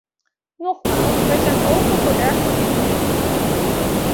Nogmaals, wij staan open voor dergelijke initiatieven.